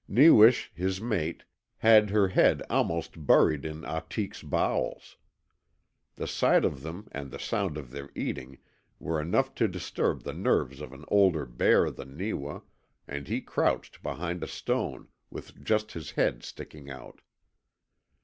Newish, his mate, had her head almost buried in Ahtik's bowels. The sight of them and the sound of their eating were enough to disturb the nerves of an older bear than Neewa, and he crouched behind a stone, with just his head sticking out.